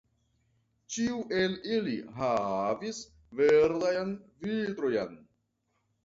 Ĉiu el ili havis verdajn vitrojn.